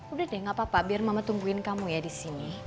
udah deh gak apa apa biar mama tungguin kamu ya di sini